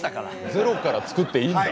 ゼロから作っていいんだ？